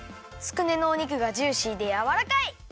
つくねのお肉がジューシーでやわらかい！